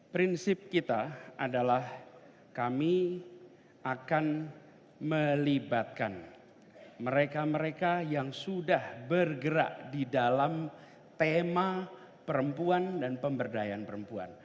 prinsip kita adalah kami akan melibatkan mereka mereka yang sudah bergerak di dalam tema perempuan dan pemberdayaan perempuan